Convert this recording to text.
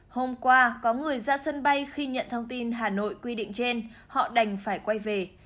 hôm qua có người ra sân bay khi nhận thông tin hà nội quy định trên họ đành phải quay về